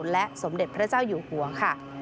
และสมเด็จพระเจ้าอยู่หัวค่ะ